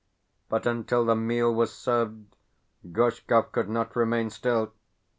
But until the meal was served Gorshkov could not remain still.